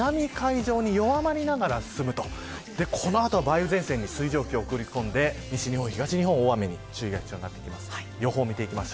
本州の南海上に弱まりながら進むこの後は梅雨前線に水蒸気を送り込んで、西日本、東日本大雨に注意が必要になってきます。